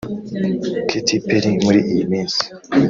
Katy Perry muri iyi minsi